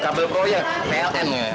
kabel pro ya pln